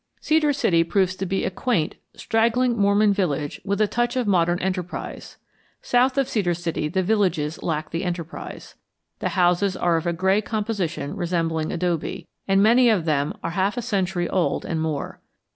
Cedar City proves to be a quaint, straggling Mormon village with a touch of modern enterprise; south of Cedar City the villages lack the enterprise. The houses are of a gray composition resembling adobe, and many of them are half a century old and more.